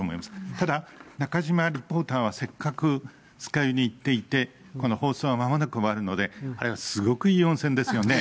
ただ、中島リポーターはせっかく酸ヶ湯に行っていて、この放送はまもなく終わるので、すごくいい温泉ですよね。